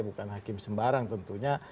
bukan hakim sembarang tentunya